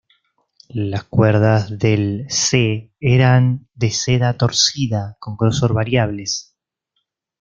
Las cuerdas del "se "eran de seda torcida, con grosor variables.